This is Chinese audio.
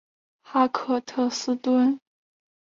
哈克特斯敦是美国纽泽西州沃伦郡的一个城市。